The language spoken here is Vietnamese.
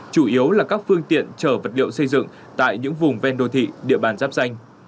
chủ yếu là các phương tiện chở vật liệu xây dựng tại những vùng ven đô thị địa bàn giáp danh